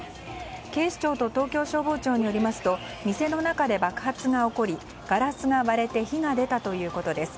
警視庁と東京消防庁によりますと店の中で爆発が起こりガラスが割れて火が出たということです。